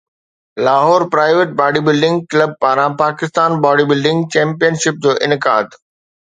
Lahore private body building club پاران Pakistan body building championship جو انعقاد